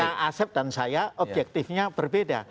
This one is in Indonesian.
yang kak asep dan saya objektifnya berbeda